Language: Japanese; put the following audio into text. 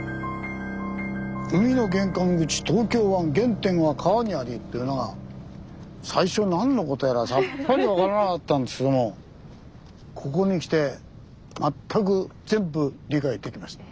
「海の玄関口・東京湾原点は川にあり？」というのが最初何のことやらさっぱりわからなかったんですけどもここに来て全く全部理解できました。